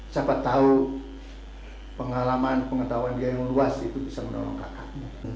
siapa tahu pengalaman pengetahuan dia yang luas itu bisa menolong kakak